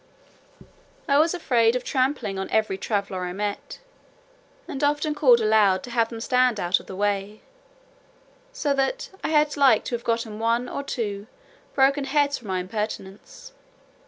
I was afraid of trampling on every traveller I met, and often called aloud to have them stand out of the way, so that I had like to have gotten one or two broken heads for my impertinence.